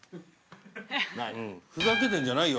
ふざけてんじゃないよ。